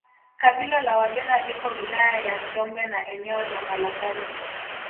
Kabila la Wabena liko wilaya ya Njombe na eneo la Malangali